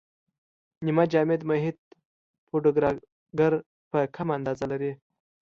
نیمه جامد محیط پوډراګر په کمه اندازه لري.